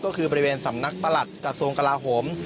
ก็คือบริเวณสำนักประหลัดกระทรวงกลาโหม